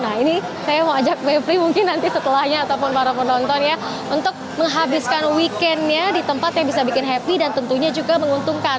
nah ini saya mau ajak mevri mungkin nanti setelahnya ataupun para penonton ya untuk menghabiskan weekendnya di tempat yang bisa bikin happy dan tentunya juga menguntungkan